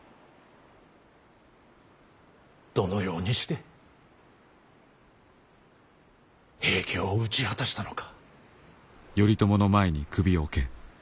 どのようにして平家を討ち果たしたのか。